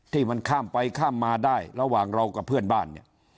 ที่มันข้ามไปข้ามมาได้ระหว่างเรากับเพื่อนบ้านเนี่ย